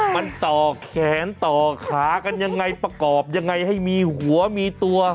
มันต่อแขนต่อขากันยังไงประกอบยังไงให้มีหัวมีตัว